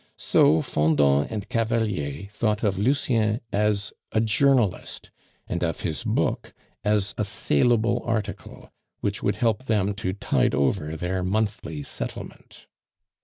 So Fendant and Cavalier thought of Lucien as a journalist, and of his book as a salable article, which would help them to tide over their monthly settlement.